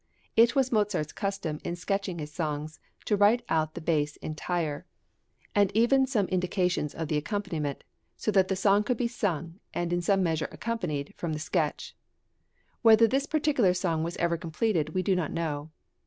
It was Mozart's custom in sketching his songs to write out the bass entire, and even some indications of the accompaniment, so that the song could be sung and in some measure accompanied from the sketch. Whether this particular song was ever completed we do not know.